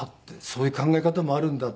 「そういう考え方もあるんだ」